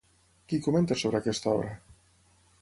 Qui comenta sobre aquesta obra?